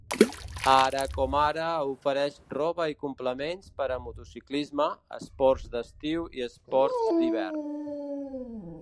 Ara com ara, ofereix roba i complements per a motociclisme, esports d'estiu i esports d'hivern.